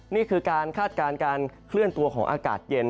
นี่คือการคาดการณ์การเคลื่อนตัวของอากาศเย็น